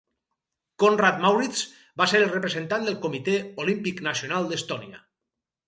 Konrad Mauritz va ser el representant del Comitè Olímpic Nacional d'Estònia.